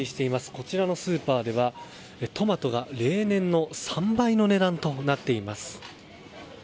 こちらのスーパーでは、トマトが例年の３倍の値段となっています。